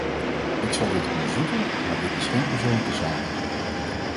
Ik zal dit onderzoeken, maar dit is geen persoonlijke zaak.